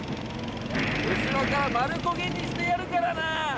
後ろから丸焦げにしてやるからな。